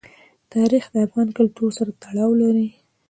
تاریخ د افغان کلتور سره تړاو لري.